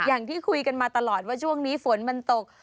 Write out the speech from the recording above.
อย่างที่คุยกันมาตลอดว่าช่วงนี้ฝนมันตก